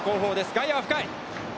外野は深い。